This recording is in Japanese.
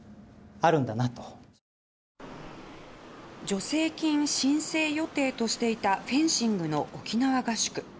助成金申請予定としていたフェンシングの沖縄合宿。